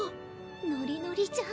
ノリノリじゃん。